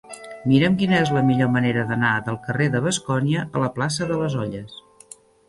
Mira'm quina és la millor manera d'anar del carrer de Bascònia a la plaça de les Olles.